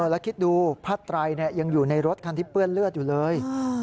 แล้วคิดดูผ้าไตรยังอยู่ในรถคันที่เปื้อนเลือดอยู่เลย